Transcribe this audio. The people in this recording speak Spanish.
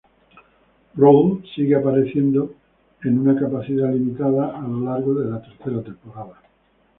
Brawl sigue apareciendo en una capacidad limitada a lo largo de la tercera temporada.